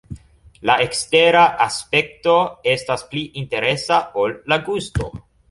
La ekstera aspekto estas pli interesa ol la gusto.